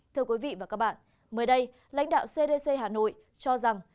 thưa quý vị và các bạn mới đây lãnh đạo cdc hà nội cho rằng